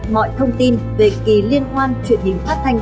mọi thông tin về kỳ liên hoan truyền hình phát thanh